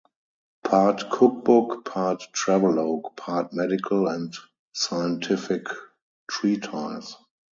Part cookbook, part travelogue, part medical and scientific treatise.